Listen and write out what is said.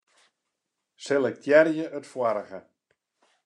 Selektearje it foarige.